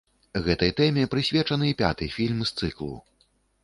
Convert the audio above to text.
Гэтай тэме прысвечаны пяты фільм з цыклу.